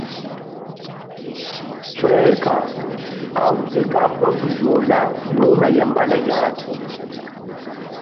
Sweka auze kakwandhujola yuma yambala yathu.